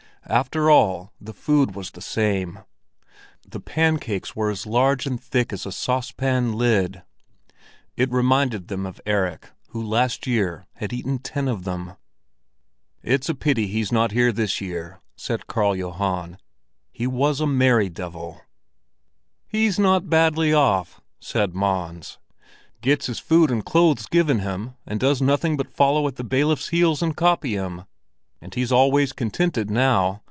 After all, the food was the same. The pancakes were as large and thick as a saucepan lid. It reminded them of Erik, who last year had eaten ten of them. "It's a pity he's not here this year!" said Karl Johan. "He was a merry devil." "He's not badly off," said Mons. "Gets his food and clothes given him, and does nothing but follow at the bailiff's heels and copy him. And he's always contented now.